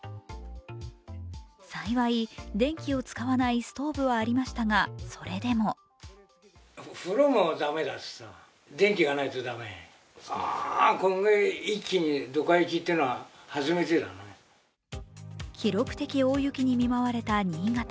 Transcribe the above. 幸い、電気を使わないストーブはありましたが、それでも記録的大雪に見舞われた新潟。